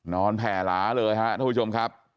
นอนแผลหลาเลยฮะท่านผู้ชมครับ